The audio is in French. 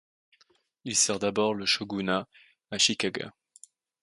Il sert d'abord le shogunat Ashikaga.